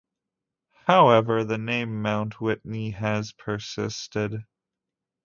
However, the name Mount Whitney has persisted.